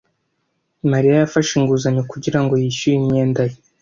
Mariya yafashe inguzanyo kugirango yishyure imyenda ye.